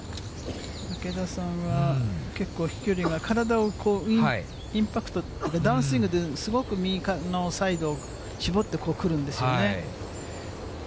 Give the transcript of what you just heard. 竹田さんは結構、飛距離が、体をインパクト、ダウンスイングで、すごく右からのサイドを絞ってくるんですよね。